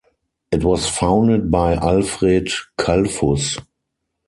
It was founded by Alfred Kalfus.